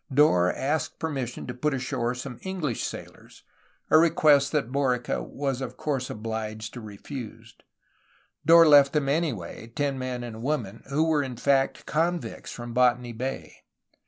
Dorr asked permission to put ashore some EngUsh sailors, a request that Borica was of course obliged to refuse. Dorr left them, anyway, ten men and a woman, who were in fact convicts from Botany Bay.